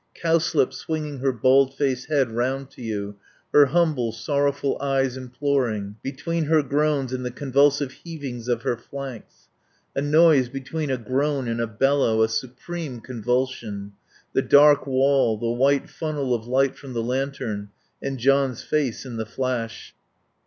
Cowslip swinging her bald faced head round to you, her humble, sorrowful eyes imploring, between her groans and the convulsive heavings of her flanks. A noise between a groan and a bellow, a supreme convulsion. The dark wall, the white funnel of light from the lantern, and John's face in the flash....